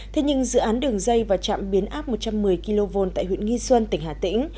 thế nhưng dự án đường dây và chạm biến áp một trăm một mươi kv tại huyện nghi xuân tỉnh hà tĩnh